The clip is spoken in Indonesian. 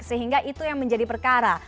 sehingga itu yang menjadi perkara